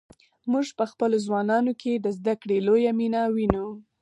موږ په خپلو ځوانانو کې د زده کړې لویه مینه وینو.